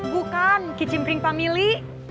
bukan kecimpring pamili